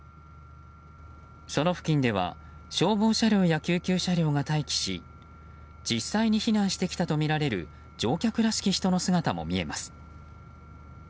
その付近では消防車両や救急車両が待機し実際に避難してきたとみられる乗客らしき人の姿も見えます。